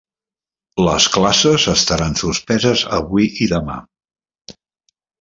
Les classes estaran suspeses avui i demà